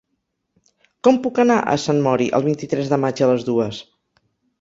Com puc anar a Sant Mori el vint-i-tres de maig a les dues?